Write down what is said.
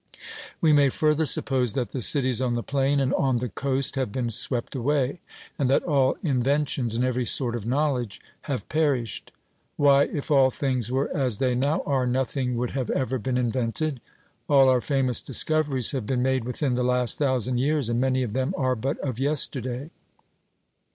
We may further suppose that the cities on the plain and on the coast have been swept away, and that all inventions, and every sort of knowledge, have perished. 'Why, if all things were as they now are, nothing would have ever been invented. All our famous discoveries have been made within the last thousand years, and many of them are but of yesterday.'